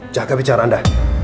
jaga bicara anda